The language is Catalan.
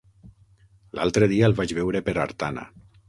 L'altre dia el vaig veure per Artana.